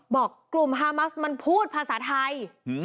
บอกกลุ่มฮามัสมันพูดภาษาไทย